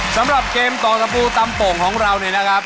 สำหรับเกมต่อตะปูตำโป่งของเราเนี่ยนะครับ